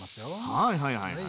はいはいはいはい。